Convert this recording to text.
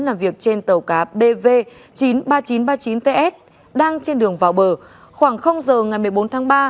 làm việc trên tàu cá bv chín mươi ba nghìn chín trăm ba mươi chín ts đang trên đường vào bờ khoảng giờ ngày một mươi bốn tháng ba